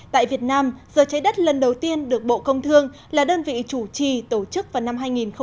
tại việt nam giờ trái đất lần đầu tiên được bộ công thương là đơn vị chủ trì tổ chức vào năm hai nghìn hai